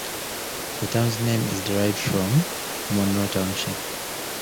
The town's name is derived from Monroe Township.